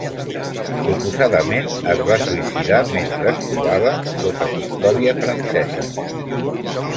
Suposadament es va suïcidar mentre es trobava sota custòdia francesa.